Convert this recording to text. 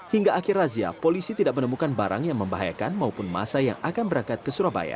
hingga akhir razia polisi tidak menemukan barang yang membahayakan maupun masa yang akan berangkat ke surabaya